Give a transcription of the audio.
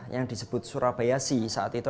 yang disebut surabayasi saat itu